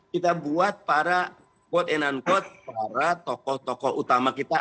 kita buat para quote and unquote para tokoh tokoh utama kita